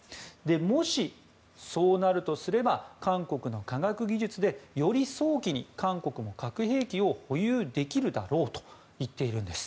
もし、そうなるとすれば韓国の科学技術でより早期に韓国も核兵器を保有できるだろうと言っているんです。